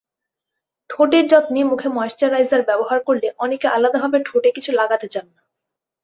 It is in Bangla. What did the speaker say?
ঠোঁটের যত্নেমুখে ময়েশ্চারাইজার ব্যবহার করলে অনেকে আলাদাভাবে ঠোঁটে কিছু লাগাতে চান না।